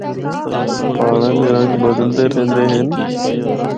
پہاڑاں دے رنگ بدلدے رہندے ہن۔